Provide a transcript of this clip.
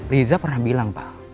riza pernah bilang pak